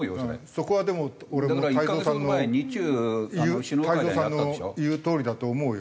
そこはでも俺も太蔵さんの言う太蔵さんの言うとおりだと思うよ。